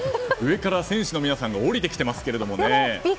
上から選手の皆さんが下りてきていますけれどね。